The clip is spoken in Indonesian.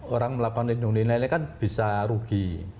orang melakukan lindung nilai kan bisa rugi